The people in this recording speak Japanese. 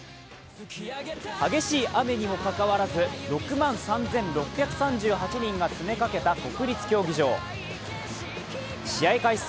激しい雨にもかかわらず６万３６３８人が詰めかけた国立競技場、試合開始